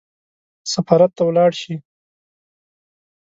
سفارت ته ولاړ شي.